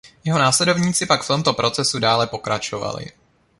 Jeho následovníci pak v tomto procesu dále pokračovali.